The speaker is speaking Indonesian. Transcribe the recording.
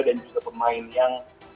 dan juga pemain yang